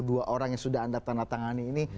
dua orang yang sudah anda tanda tangani ini